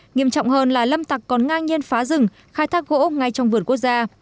nghiêm trọng hơn là lâm tặc còn ngang nhiên phá rừng khai thác gỗ ngay trong vườn quốc gia